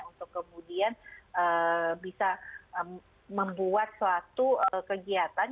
untuk kemudian bisa membuat suatu kegiatan